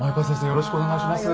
よろしくお願いします。